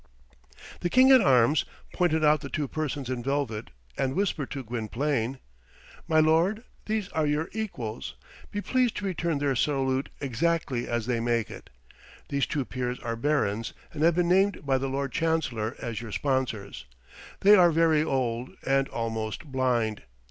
The King at Arms pointed out the two persons in velvet, and whispered to Gwynplaine, "My lord, these are your equals. Be pleased to return their salute exactly as they make it. These two peers are barons, and have been named by the Lord Chancellor as your sponsors. They are very old, and almost blind.